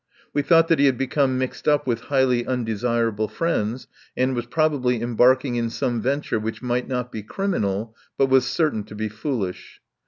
We thought that he had become mixed up with highly undesirable friends, and was probably embarking in some venture which might not be criminal but was certain to be foolish.